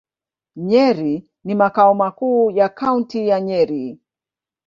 Nyeri ni makao makuu ya Kaunti ya Nyeri.